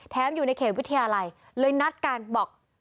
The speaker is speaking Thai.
อยู่ในเขตวิทยาลัยเลยนัดกันบอก